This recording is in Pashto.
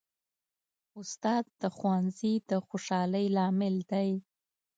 استاد د ښوونځي د خوشحالۍ لامل دی.